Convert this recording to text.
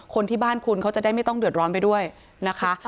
คนที่บ้านคุณเขาจะได้ไม่ต้องเดือดร้อนไปด้วยนะคะ